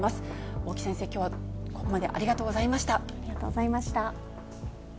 大木先生、きょうはここまでありありがとうございました。